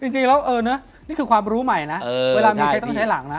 จริงแล้วนี่คือความรู้ใหม่นะเวลามีใช้ต้องใช้หลังนะ